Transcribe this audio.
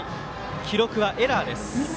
記録はエラーです。